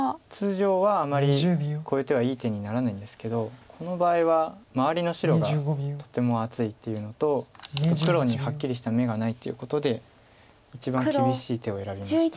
通常はあまりこういう手はいい手にならないんですけどこの場合は周りの白がとても厚いっていうのと黒にはっきりした眼がないということで一番厳しい手を選びました。